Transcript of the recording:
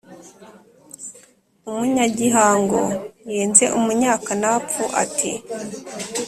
u munyagihango yenze umunyakanapfu ati